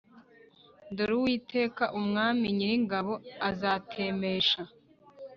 dore uwiteka umwami nyiringabo azatemesha